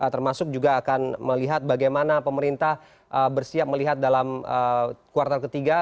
termasuk juga akan melihat bagaimana pemerintah bersiap melihat dalam kuartal ketiga